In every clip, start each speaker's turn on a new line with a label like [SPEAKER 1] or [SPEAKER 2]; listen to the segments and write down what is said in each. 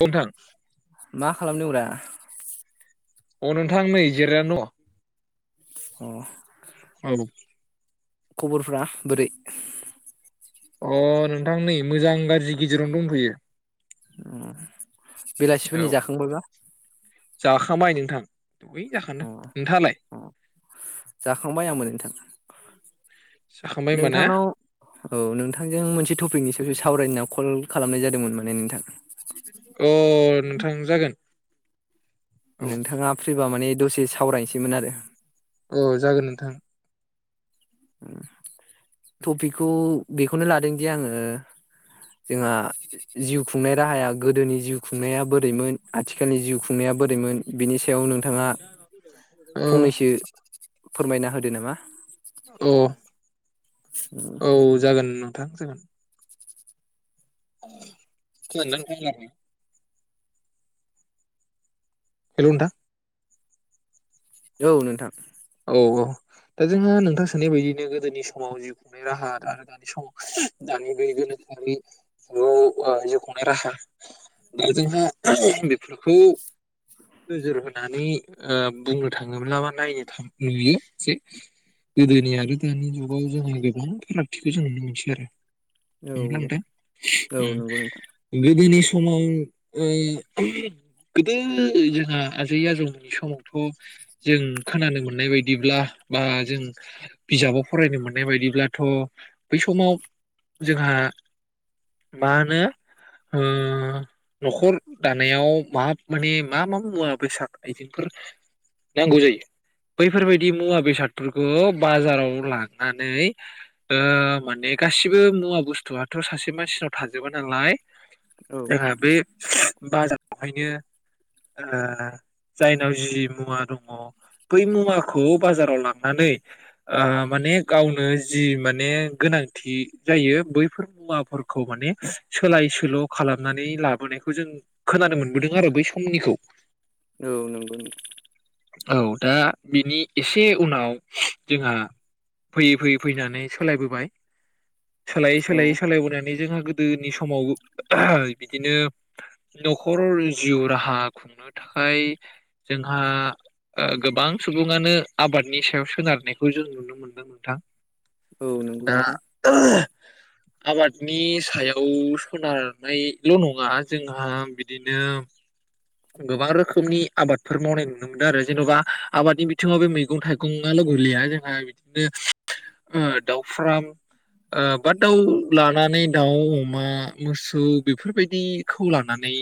[SPEAKER 1] औ नोंथां
[SPEAKER 2] मा खालामदों ब्रा
[SPEAKER 1] अ नोंथां नै जिरायना दङ
[SPEAKER 2] अ
[SPEAKER 1] दङ।
[SPEAKER 2] खबरफ्रा बोरै
[SPEAKER 1] अ नोंथां नै मोजां गाज्रि गेजेरावनो दंथयो
[SPEAKER 2] अ
[SPEAKER 1] औ
[SPEAKER 2] बेलासिफोरनि जाखांबा
[SPEAKER 1] जाखांबाय नोंथां दै
[SPEAKER 2] अ
[SPEAKER 1] जाखांदों नोंथाङालाय
[SPEAKER 2] जाखांबाय आंबो नोंथां
[SPEAKER 1] जाखांबाय होमबा ना
[SPEAKER 2] नोंथांनाव औ नोंथांजों मोनसे टपिकनि सायाव बे सावरायनो होनना कल खालामनाय जादोंमोन माने नोंथां
[SPEAKER 1] अ नोंथां जागोन औ
[SPEAKER 2] नोंथाङा फ्रिबा माने दसे सावरायनोसैमोन आरो
[SPEAKER 1] औ जागोन नोंथां
[SPEAKER 2] टपिकखौ बेखौनो लादोंदिे आङो जोंहा जिउ खुंनाय राहाया गोदोनि जिउ खुंनाया बोरैमोन आथिखालनि जिउ खुंनाया बोरैमोन बिनि सायाव नोंथाङा फंनैसो
[SPEAKER 1] औ
[SPEAKER 2] फोरमायना होदो नामा
[SPEAKER 1] अ औ जागोन नोंथां जोङो खोनानदोंनाथां हेल'नथां
[SPEAKER 2] औ नोंथां
[SPEAKER 1] औ औ दा जोंहा नोंथां सोननाय बायदिनो गोदोनि समाव जिउ खुंनाय राहा आरो दानि समाव दानि गय गोनोखोआरिआव जिउ खुंनाय राहा दा जोंहा बेफोरखौ नोजोर होनानै अ बुंनो थाङोब्ला बा नायनो थाङो नुयो जे गोदोनि आरो दानि जुगाव जोङो गोबां फारागथिखौ जों नुनो मोनसै आरो
[SPEAKER 2] औ
[SPEAKER 1] नंगौना नोंथां
[SPEAKER 2] औ औ
[SPEAKER 1] ओम
[SPEAKER 2] नंगौ नोंथां
[SPEAKER 1] गोदोनि समाव ओ गोदो जोंहा आजै आजौमोननि समावथ' जों खोनानो मोन मोननाय बायदिब्ला बा जों बिजाबाव फरायनो मोननाय बायदिब्लाथ' बै समाव जोंहा मा होनो न'खर अ दानायाव म माने मा मा मुवा बेसाद आइजेंफोर नांगौ जायो बैफोरबायाददि मुवा बेसादफोरखौ बाजाराव लांनानै आ माने गासिबो मुवा बुस्थुआथ' सासे मानसिनाव थाजोबा नालाय
[SPEAKER 2] औ
[SPEAKER 1] रा बे बाजार बेहायनो आ जायनाव जि मुवा दं अ बै मुवाखौ बाजाराव लांनानै आ माने गावनो जि माने गोनांथि जायो बैफोर मुवाफोरखौ माने सोलाय सोल' खालामनानै लाबोनायखौ जों खोनानो मोनबोदोंमोन आरो बै समनिखौ
[SPEAKER 2] औ नंगौगौ
[SPEAKER 1] औ दा बिनि एसे उनाव जोंहा फैयै फैयै फैनानै सोलायबोबाय। सोलायै
[SPEAKER 2] औ
[SPEAKER 1] सोलायै सोलायबोनानै जोंहा गोदोनि समाव बिदिनो न'खर जिउ राहा खुंनो थाखाय जोंहा ओ गोबां सुबुङानो आबादनि सायाव सोनारनायखौ जों नुनो मोनदों नोंथां
[SPEAKER 2] औ नंगौ
[SPEAKER 1] दा
[SPEAKER 2] नोंथां
[SPEAKER 1] आबादनि सायाव सोनारनायल' नङा जोंहा बिदिनो गोबां रोखोमनि आबादफोर मावनाय नुनो मोनदों आरो जेन'बा आबादनि बिथिङाव बे मैगं थाइगंआल' गोलैया जोंहा बिदिनो ओ दाउ फ्राम ओ बा दाउ लानानै दाउम अमा मोसौ बेफोरबायदिखौ लानानै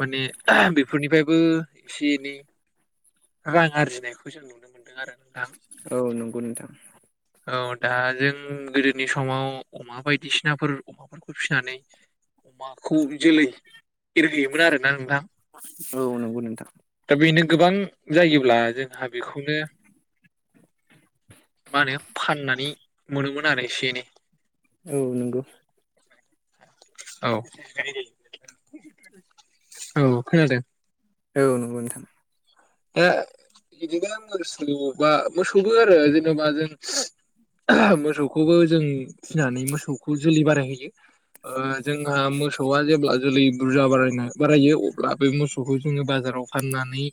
[SPEAKER 1] माने बेफोरनिफ्रायबो एसे एनै रां आरजिनायखौ जों नुनो मोनदों आरो नोंथां
[SPEAKER 2] औ नंगौ नोंथां
[SPEAKER 1] औ दा जों गोदोनि समाव अमा बायदिसिनाफोर अमाफोरखौ फिसिनानै अमाखौ जोलै एरहोयोमोन आरोना नोंथां।
[SPEAKER 2] औ नंगौ नोंथां
[SPEAKER 1] दा बेनो गोबां जायोब्ला जोंहा बेखौनो मा होनो फाननानै मोनोमोन आरो एसे एनै
[SPEAKER 2] औ नंगौ
[SPEAKER 1] औ औ खोनादों
[SPEAKER 2] औ नंगौ नोंथां
[SPEAKER 1] दा बिदिबा मोसौबा मोसौबो आरो जेनेबा जों मोसौखौबो जों फिनानै मोसौखौ जोलै बारायहैयो ओ जोंहा मोसौआ जेब्ला जोलै बुरजा बारायना बारायो अब्ला बे मोसौखौ जोङो बाजाराव फाननानै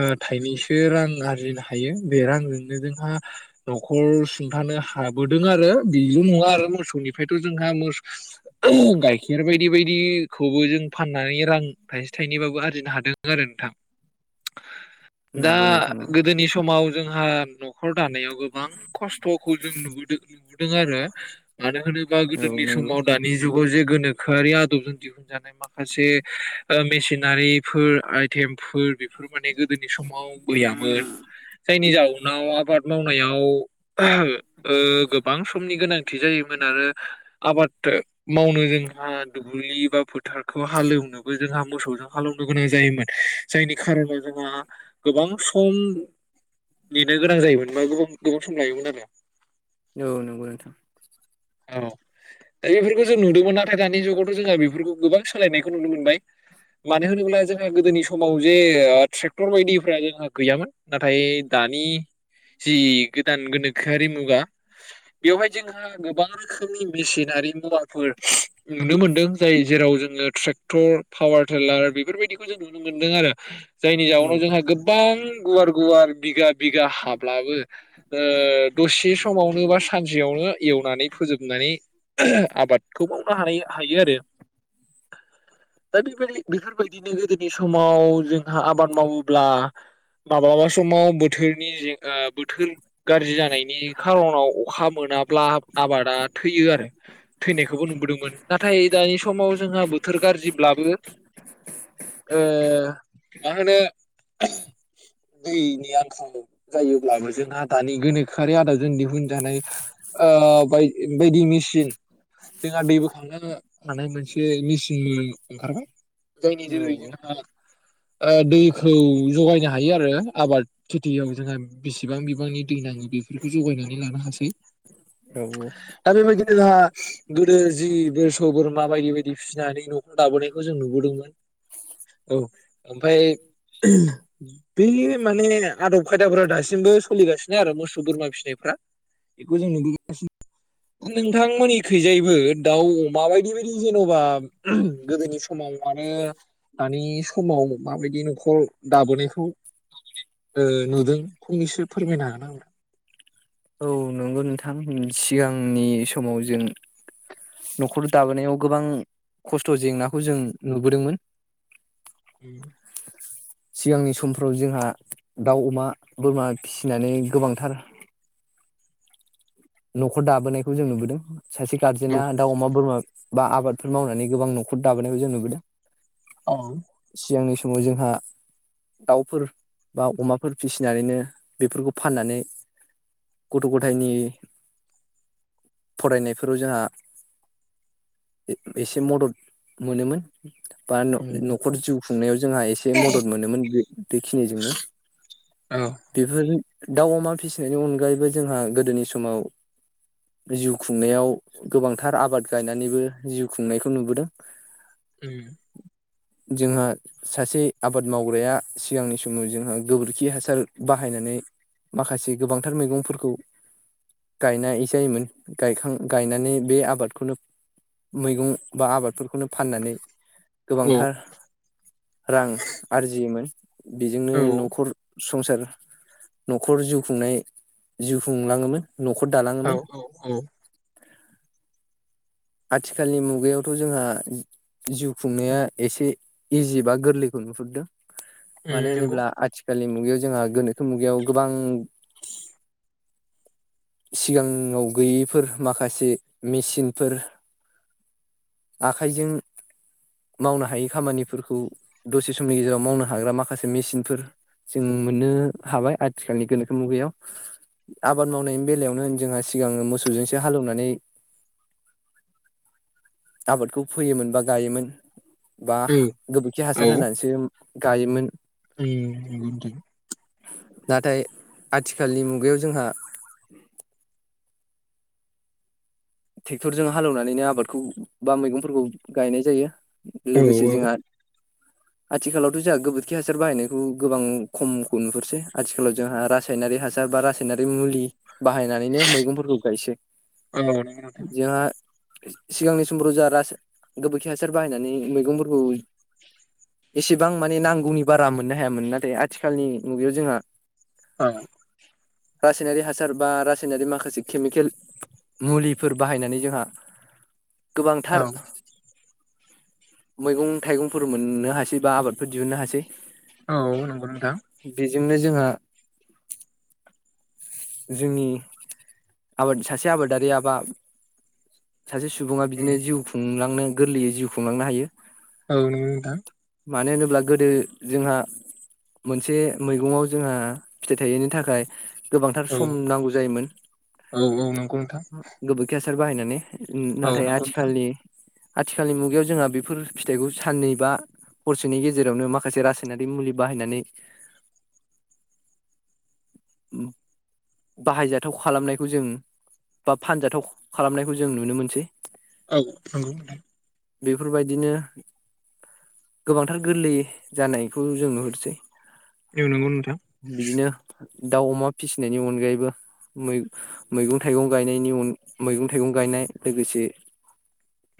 [SPEAKER 1] ओ थाइनैसो रां आरजिनो हायो बे रांजोंनो जोंहा न'खर सुंथानो हाबोदों आरो बेल' नङा आरो मोसौनिफ्रायथ' जोंहा गाइखेर बायदि बायदिखौबो जों फाननानै रां थाइसे थाइनैबाबो आरजिनो हादों आरो नोंथां दा
[SPEAKER 2] नंगौ नोंथां औ
[SPEAKER 1] गोदोनि समाव जोंहा न'खर दानायाव गोबां खस्थ'खौ जों नुदों नुबोदों आरो मानो होनोबा
[SPEAKER 2] औ
[SPEAKER 1] गोदोनि
[SPEAKER 2] नंगौ
[SPEAKER 1] समाव दानि जुगाव जे गोनोखोआरि आदबजों दिहुनजानाय माखासे ओ मेसिनारिफोर आइटेमफोर बेफोर माने गोदोनि समाव गैयामोन जायनि जाउनाव आबाद मावनायाव ओ गोबां समनि गोनांथि जायोमोन आरो आबाद मावनो जोंहा दुब्लि बा फोथारखौ हालेवनोबो जोंहा मोसौजों हालेवनो गोनां जायोमोन जायनि खारनाव जोंहा गोबां सम नेनो गोनां जायोमोन बा गोबां सम लायोमोन आरो
[SPEAKER 2] औ नंगौ नोंथां
[SPEAKER 1] औ दा बेफोरखौ जों नुदोंमोन नाथाय दानि जुगावथ' जोंहा बेफोरखौ गोबां सोलायनायखौ नुनो मोनबाय मानो होनोब्ला जोंहा गोदोनि समाव जे ट्रेक्टर बायदिफ जोंहा गैयामोन नाथाय दानि जि गोदान गोनोखोआरि मुगा बेवहाय जोंहा गोबां रोखोमनि मेसिनारि मुवाफोर नुनो मोनदों जाय जेराव जोङो ट्रेक्टर पावार टिलार बेफोरबायदिखौ जों नुनो मोनदों आरो जायनि
[SPEAKER 2] औ
[SPEAKER 1] जाउनाव जोंहा गो गोबां गुवार गुवार बिगा बिगा हाब्लाबो ओ दसे समावनो बा सानसेयावनो एवनानै फोजोबनानै आबादखौ मावनो हानाय हायो आरो दा बे बेफोरबायदिनो गोदोनि समाव जोंहा आबाद मावोब्ला माब्लाबा समाव बोथोरनि जेंना बोथोर गाज्रि जानायनि खार'नाव अखा मोना ब्ला आबादा थैयो आरो थैनायखौबो नुबोदोंमोन नाथाय दानि समाव जोंहा बोथोर गाज्रिब्लाबो ओ मा होनो दैनि आंखाल जायोब्लाबो जोंहा दानि गोनोखोआरि आदबजों दिहुन जानाय ओ बाय बायदि मेसिन जोंहा दै बोखांनो हानाय मोनसे मेसिन ओंखारबाय जायनि जोहै
[SPEAKER 2] औ
[SPEAKER 1] जोंहा ओ दैखौ जगायनो हायो आरो आबाद खेथियाव जोंहा बेसेबां बिबांनि दै नांगौ बेफोरखौ जगायनानै लानो हासै
[SPEAKER 2] औ
[SPEAKER 1] दा बेबायदिनो जोंहा गोदो जि मोसौ बोरमा बायदि बायदि फिसिनानै न'खर दाबोनायखौ जों नुबोदोंमोन औ ओमफ्राय बे माने आदब खायदाफोरा दासिमबो सोलिगासिनो आरो मोसौ बोरमा फिसिनायफ्रा बेखौ जों नुबोगासिनो दङ नोंथांमोननि खैजायबो दाउ माबायदि बायदि जेन'बा गोदोनि समाव आरो दानि समाव माबायदि न'खर दाबोनायखौ ओ नुदोंफंनैसो फोरमायनो हानांगोन
[SPEAKER 2] औ नंगौ नोंथां सिगांनि समाव जों न'खर दाबोनायाव गोबां खस्थ' जेंनाखौ जों नुबोदोंमोन।
[SPEAKER 1] उम
[SPEAKER 2] सिगांनि समफ्राव जोंहा दाउ अमा बोरमा फिसिनानै गोबांथार न'खर दाबोनायखौ जों नुबोदों सासे
[SPEAKER 1] औ
[SPEAKER 2] गारजेना दा अमा बोरमा बा आबादफोर मावनानै गोबां न'खर दाबोनायखौ जों नुबोदों
[SPEAKER 1] औ
[SPEAKER 2] सिगांनि समाव जोंहा दाउफोर बा अमाफोर फिसिनानैनो बेफोरखौ फाननानै गथ' गथायनि फरायनायफोराव जोंहा एसे मदद मोनोमोन बा
[SPEAKER 1] उम
[SPEAKER 2] न'खर
[SPEAKER 1] नंगौ
[SPEAKER 2] जिउ खुंनायाव जोंहा एसे मदद मोनोमोन बे बेखिनिजोंनो
[SPEAKER 1] औ
[SPEAKER 2] बेफोर दाउ अमा फिसिनायनि अनगायैबो जोंहा गोदोनि समाव जिउ खुंनायाव गोबांथार आबाद गायनानैबो जिउ खुंनायखौ नुबोदों
[SPEAKER 1] उम
[SPEAKER 2] जोंहा सासे आबाद मावग्राया सिगांनि समाव जोंहा गोबोरखि हासार बाहायनानै माखासे गोबांथार मैगंफोरखौ गायनाय जायोमोन गायखां गायनानै बे आबादखौनो मैगं बा आबादफोरखौनो फाननानै
[SPEAKER 1] औ
[SPEAKER 2] गोबांथार रां आरजियोमोन बेजोंनो
[SPEAKER 1] औ
[SPEAKER 2] न'खर संसार न'खर जिउ खुंनाय जिउ खुंलाङोमोन न'खर
[SPEAKER 1] औ
[SPEAKER 2] दालाङोमोन
[SPEAKER 1] औ औ
[SPEAKER 2] आथिखालनि मुगायावथ' जोंहा जिउ खुंनाया एसे इजि बा गोरलैखौ नुहुरदों
[SPEAKER 1] उम
[SPEAKER 2] मानो
[SPEAKER 1] नंगौ
[SPEAKER 2] होनोब्ला आथि आथिखालनि मुगायाव जोंहा गोनोखो मुगायाव गोबां सिगाङाव गैयैफोर माखासे मेचिनफोर आखाइजों मावनो हायि खामानिफोरखौ दसे समनि गेजेराव मावनो हाग्रा माखासे मेसिनफोर जों मोननो हाबाय आथिखालनि गोनोखो मुगायाव आबाद मावनायनि बेलायावनो जोंहा सिगाङो मोसौजोंसो हालेवनानै आबादखौ फोयोमोन बा गायोमोन बा गोबोरखि
[SPEAKER 1] औ
[SPEAKER 2] हासार होनानैसो गायोमोन
[SPEAKER 1] [unintelligible]
[SPEAKER 2] नाथाय आथिखालनि मुगायाव जोंहा ट्रेक्टरजों हालेवनानैनो आबादखौ बा मैगंफोरखौ गायनाय जायो
[SPEAKER 1] औ
[SPEAKER 2] लोगोसे
[SPEAKER 1] औ
[SPEAKER 2] जोंहा आथिखालावथ' जोंहा गोबोरखि हासार बाहायनायखौ गोबां खमखौ नुहुरसै आथिखालाव जोंहा रासायनारि हासार बा रासायनारि मुलि बाहायनानैनो मैगंफोरखौ गायसै
[SPEAKER 1] औ नंगौ नोंथां
[SPEAKER 2] जोंहा सिगांनि समफ्राव जोंहा रास गोबोरखि हासार बाहायनानै मैगंफोरखौ एसेबां माने नांगौनि बारा मोननो हायामोन नाथाय आथिखालनि मुगायाव जोंहा
[SPEAKER 1] औ
[SPEAKER 2] रासायनारि हासार बा रासायनारि माखासे केमिकेल मुलि फोर बाहायनानै जोंहा गोबांथार
[SPEAKER 1] औ
[SPEAKER 2] मैगं थाइगंफोर मोननो हासै बा आबादफोर दिहुननो हासै।
[SPEAKER 1] औ नंगौ नोंथां
[SPEAKER 2] बेजोंनो जोंहा जोंनि आबाद सासे आबादारिआबा सासे सुबुङा
[SPEAKER 1] उम
[SPEAKER 2] बिदिनो जिउ खुंलांदों। गोरलैयै जिउ खुंलांनो हायो
[SPEAKER 1] औ नोंगौ नोंथां
[SPEAKER 2] मानो होनोब्ला गोदो जोंहा मोनसे मैगंङाव जोंहा फिथाइ थायैनि थाखाय गोबांथार
[SPEAKER 1] औ
[SPEAKER 2] सम नांगौ जायोमोन।
[SPEAKER 1] औ नंगौ नोंथां औ नंगौ नोंथां
[SPEAKER 2] दुखया सार बाहायना नै नाथाय आथिखालनि आथिखालनि मुगायाव जोंहा बेफोर फिथाइखौ सानै बा हरसेनि गेजेरावनो माखासे रासायनारि मुलि बाहायनानै बाहायजाथाव खालामनायखौ जों बा फानजाथाव खालामनायखौ जों नुनो मोनसै।
[SPEAKER 1] औ नंगौ
[SPEAKER 2] बेफोरबायदिनो गोबांथार गोरलै जानायखौ जों नुहुरसै
[SPEAKER 1] एनंगौ नोंथां
[SPEAKER 2] बिदिनो दाउ अमा फिसिनायनि अनगायैबो मैगं थाइगं गायनाय न मैगं थाइगं गायनाय लोगोसे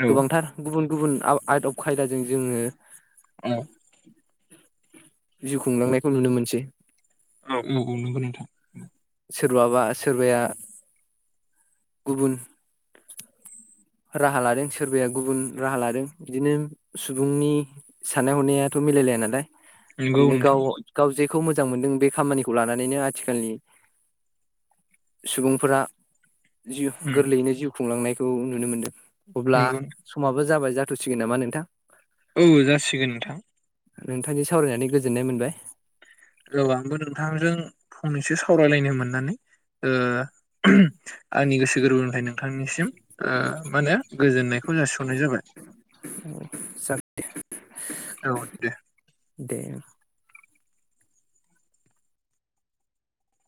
[SPEAKER 1] औ
[SPEAKER 2] गोबांथार गुबुन गुबुन आइट अफ खायदाजों जोङो
[SPEAKER 1] औ
[SPEAKER 2] जिउ खुंलांनायखौ नुनो मोनसै
[SPEAKER 1] औ औ औ नंगौ नोंथांं औ
[SPEAKER 2] सोरबाबा सोरबाया गुबुन राहा लादों सोरबाया गुबुन राहा लादों बिदिनो सुबुंनि साननाय हनायाथ' मिलायलाया नालाय
[SPEAKER 1] नंगौ
[SPEAKER 2] बिदिनो गाव
[SPEAKER 1] नोंथां
[SPEAKER 2] गाव जे खौ मोजां मोन्दों बे खामानिखौ लानानैनो आथिखालनि सुबुंफोरा जिउ
[SPEAKER 1] उम
[SPEAKER 2] गोरलैयैनो जिउ खुंलांनायखौ नुनो मोन्दों। अब्ला
[SPEAKER 1] नंगौ
[SPEAKER 2] समाबो जाबाय। जाथ'सिगोन नामा नोंथां
[SPEAKER 1] औ जासिगोन नोंथां
[SPEAKER 2] नोंथांजों सावरायनानै गोजोननाय मोनबाय।
[SPEAKER 1] औ आंबो नोंथांजों फंनैसो स सावरायलायनो मोननानै आंनि गोस गोरबोनिफाय नों थांनिसिम ओ माने गोजोननायख [unintelligible] हरनाय जाबाय।
[SPEAKER 2] [inaudible]
[SPEAKER 1] औ दे।
[SPEAKER 2] दे ओं